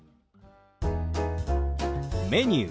「メニュー」。